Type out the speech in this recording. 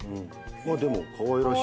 でもかわいらしい。